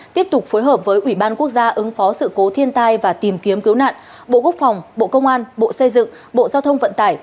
tiếp tục phối hợp với ubnd ứng phó sự cố thiên tai và tìm kiếm cứu nạn bộ quốc phòng bộ công an bộ xây dựng bộ giao thông vận tải